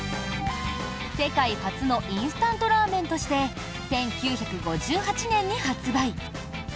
世界初のインスタントラーメンとして１９５８年に発売。